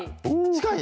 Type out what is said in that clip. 近い。